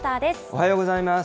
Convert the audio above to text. おはようございます。